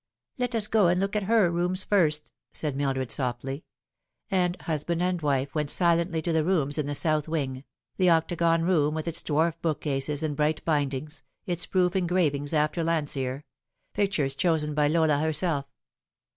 '' Let us go and look at Tier rooms first," said Mildred softly ; and husband and wife went silently to the rooms in the south wing the octagon room with its dwarf bookcases and bright bindings, its proof engravings after Landseer pictures chosen by Lola herself.